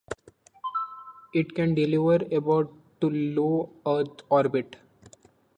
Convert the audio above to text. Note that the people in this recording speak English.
It can deliver about to low Earth orbit.